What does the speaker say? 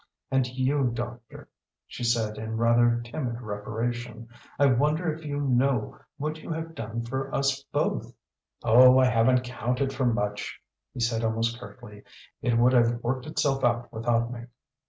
"And you, doctor," she said in rather timid reparation, "I wonder if you know what you have done for us both?" "Oh, I haven't counted for much," he said almost curtly. "It would have worked itself out without me."